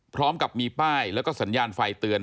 พร้อมกับมีป้ายแล้วก็สัญญาณไฟเตือน